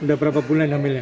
sudah berapa bulan hamilnya